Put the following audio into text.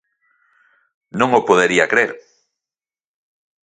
Non o podería crer.